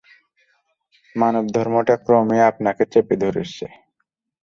মানবধর্মটা ক্রমেই আপনাকে চেপে ধরছে!